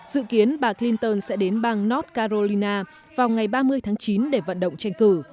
dự kiến bà clinton sẽ đến bang north carolina vào ngày ba mươi tháng chín để vận động tranh cử